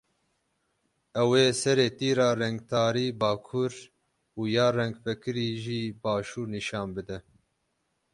Ew ê serê tîra rengtarî bakur û ya rengvekirî jî başûr nîşan bide.